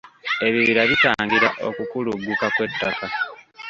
Ebibira bitangira okukulugguka kw'ettaka.